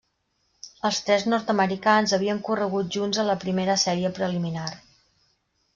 Els tres nord-americans havien corregut junts a la primera sèrie preliminar.